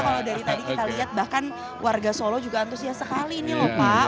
kalau dari tadi kita lihat bahkan warga solo juga antusias sekali nih lho pak